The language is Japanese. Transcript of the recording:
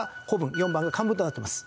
４番が漢文となってます。